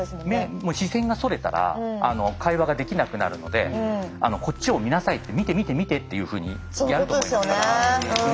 視線がそれたら会話ができなくなるので「こっちを見なさい」って「見て見て見て」っていうふうにやると思いますから。